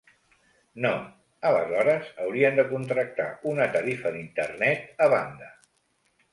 No, aleshores haurien de contractar una tarifa d'internet a banda.